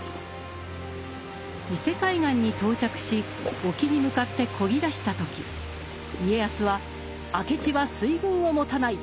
伊勢海岸に到着し沖に向かってこぎだした時家康は「明智は水軍を持たない。